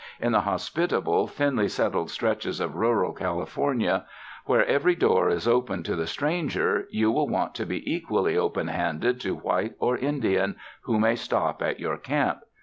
In the hos pitable, thinly settled stretches of rural California, where every door is open to the stranger, you will want to be equally open handed to white or Indian, who may stop at your camp.